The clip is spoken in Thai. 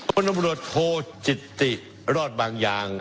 ผลบริโรทโทษจิตติรอดบางอย่าง